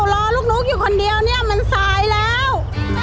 รอลูกอยู่คนเดียวเนี่ยมันสายแล้ว